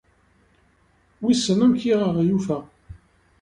Wissen amek i aɣ-yufa ?